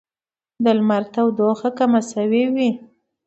د لمر تودوخه کمه شوې وي